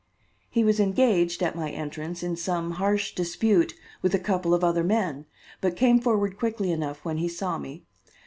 He was engaged, at my entrance, in some harsh dispute with a couple of other men, but came forward quickly enough when he saw me.